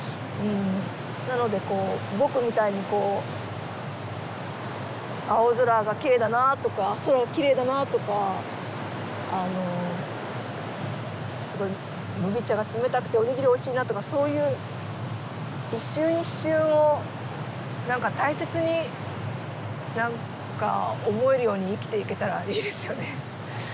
うんなのでこう「ぼく」みたいにこう青空がきれいだなとか空がきれいだなとかあのすごい麦茶が冷たくておにぎりおいしいなとかそういう一瞬一瞬を何か大切に何か思えるように生きていけたらいいですよね。